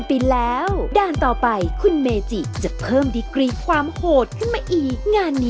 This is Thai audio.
จากที่เห็นกันก็จะเป็นว่า